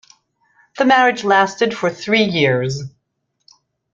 The marriage lasted for three years.